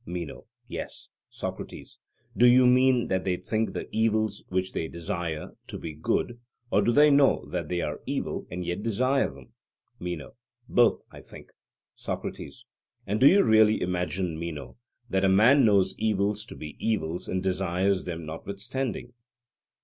MENO: Yes. SOCRATES: Do you mean that they think the evils which they desire, to be good; or do they know that they are evil and yet desire them? MENO: Both, I think. SOCRATES: And do you really imagine, Meno, that a man knows evils to be evils and desires them notwithstanding?